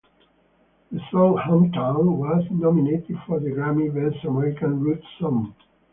The song "Hometown" was nominated for the Grammy Best American Roots Song.